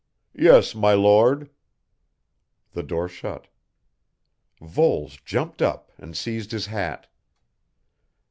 "Yes, my Lord." The door shut. Voles jumped up, and seized his hat.